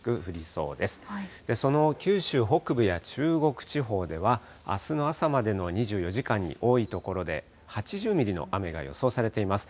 その九州北部や中国地方では、あすの朝までの２４時間に多い所で、８０ミリの雨が予想されています。